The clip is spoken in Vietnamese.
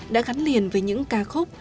đã gắn liền với những ca khúc